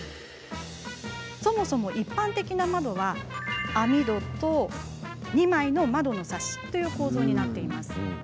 そもそも一般的な窓は網戸と２枚の窓のサッシという構造になっています。